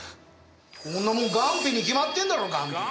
こんなもんガンピに決まってんだろガンピ。